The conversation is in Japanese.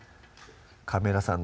カメラさん